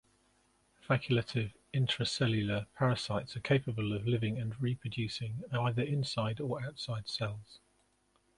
Facultative intracellular parasites are capable of living and reproducing either inside or outside cells.